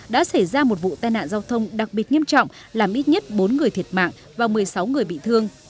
đã xảy ra một vụ tai nạn giao thông đặc biệt nghiêm trọng làm ít nhất bốn người thiệt mạng và một mươi sáu người bị thương